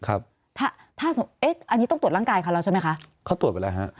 อันนี้ต้องตรวจร่างกายของเราใช่ไหมคะเขาตรวจไปแล้วครับ